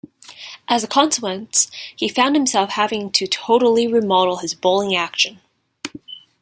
As a consequence, he found himself having to totally remodel his bowling action.